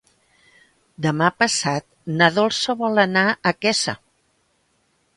Demà passat na Dolça vol anar a Quesa.